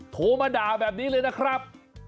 โทรมาด่าแบบนี้เลยนะครับ